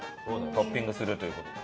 トッピングするという事で。